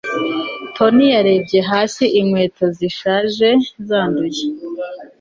tony yarebye hasi inkweto zishaje zanduye